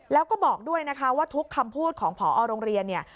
แล้วก็บอกด้วยนะคะว่าทุกคำพูดของผอโรงเรียนเนี่ย